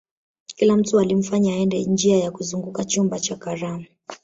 kila mtu alimfanya aende njia ya kuzunguka chumba cha karamu